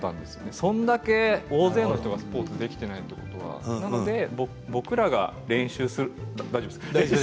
そんだけ大勢の人がスポーツできていないということはなので僕らが大吉さん大丈夫ですか？